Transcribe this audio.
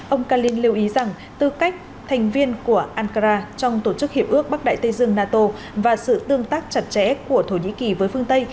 ông kalin lưu ý rằng tư cách thành viên của ankara trong tổ chức hiệp ước bắc đại tây dương nato và sự tương tác chặt chẽ của thổ nhĩ kỳ với phương tây